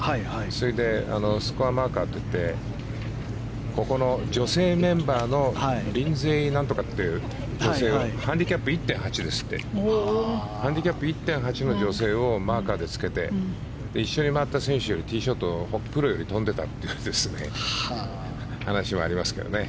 それでスコアマーカーといってここの女性メンバーのリンゼイなんとかって女性をハンディキャップ１．８ですってハンディキャップ１．８の女性をマーカーでつけて一緒に回った選手よりティーショットがプロより飛んでたって話もありますけどね。